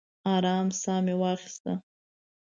ارام ساه مې واخیسته.